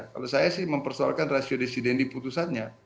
kalau saya sih mempersoalkan rasio desideni putusannya